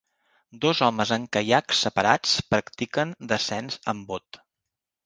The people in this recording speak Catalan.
Dos homes en caiacs separats practiquen descens en bot.